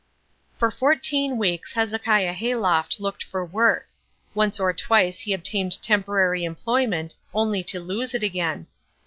For fourteen weeks Hezekiah Hayloft looked for work. Once or twice he obtained temporary employment only to lose it again.